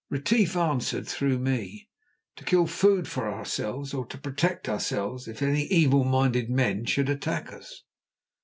Retief answered through me: "To kill food for ourselves, or to protect ourselves if any evil minded men should attack us."